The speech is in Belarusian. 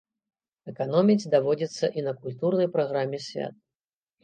Эканоміць даводзіцца і на культурнай праграме свята.